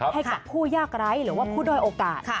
ให้กับผู้ยากไร้หรือว่าผู้ด้อยโอกาส